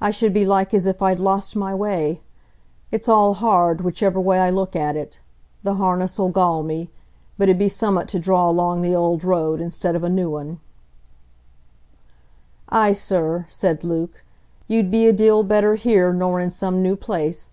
I should be like as if I'd lost my way. It's all hard, whichever way I look at it,—the harness 'ull gall me, but it 'ud be summat to draw along the old road, instead of a new un." "Ay, sir," said Luke, "you'd be a deal better here nor in some new place.